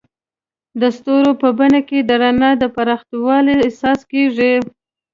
د ستورو په بڼه کې د نړۍ د پراخوالي احساس کېږي.